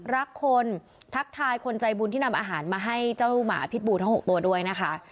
รักคนทักทายคนใจบุญที่นำอาหารมาให้เจ้าหมาพิษบูทั้ง๖ตัวด้วยนะคะ